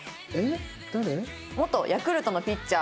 元ヤクルトのピッチャー